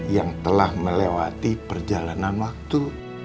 yang telah melewati perjalanan waktu